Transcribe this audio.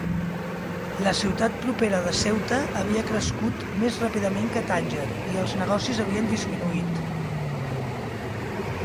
La ciutat propera de Ceuta havia crescut més ràpidament que Tànger, i els negocis havien disminuït.